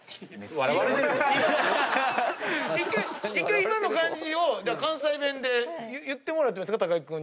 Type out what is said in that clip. １回今の感じを関西弁で言ってもらって木君に。